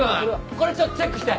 これちょっとチェックして！